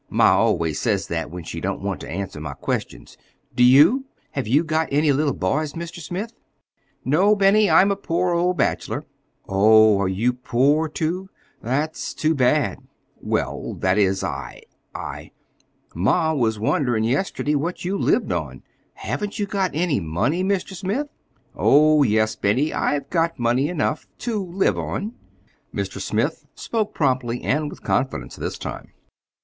Ma always says that when she don't want to answer my questions. Do you? Have you got any little boys, Mr. Smith?" "No, Benny. I'm a poor old bachelor." "Oh, are you poor, too? That's too bad." "Well, that is, I—I—" "Ma was wonderin' yesterday what you lived on. Haven't you got any money, Mr. Smith?" "Oh, yes, Benny, I've got money enough—to live on." Mr. Smith spoke promptly, and with confidence this time.